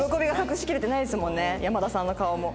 山田さんの顔も。